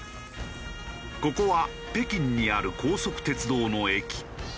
ここは北京にある高速鉄道の駅。